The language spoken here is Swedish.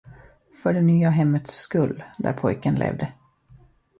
För det nya hemmets skull, där pojken levde.